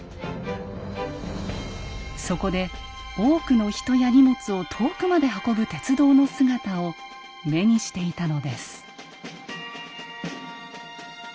そこで多くの人や荷物を遠くまで運ぶ鉄道の姿を目にしていたのです。